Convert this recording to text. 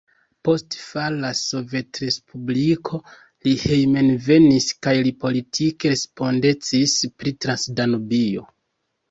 Post falo de la sovetrespubliko li hejmenvenis kaj li politike respondecis pri Transdanubio.